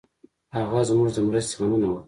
هغه زموږ د مرستې مننه وکړه.